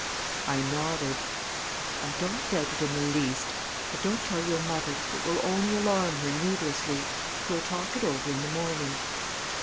I nodded. "I don't doubt it in the least. But don't tell your mother. It will only alarm her needlessly. We'll talk it over in the morning."